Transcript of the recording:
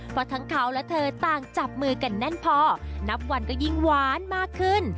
เพราะทั้งเขาและเธอต่างจับมือกันแน่นพอนับวันก็ยิ่งหวานมากขึ้น